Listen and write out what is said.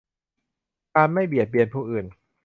การไม่เบียดเบียนผู้อื่น